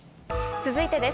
続いてです。